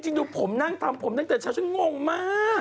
จริงดูผมนั่งตามผมตั้งแต่เช้าฉันง่งมาก